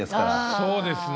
そうですね。